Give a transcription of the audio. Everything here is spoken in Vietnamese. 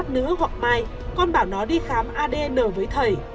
nữ hoặc mai con bảo nó đi khám adn với thầy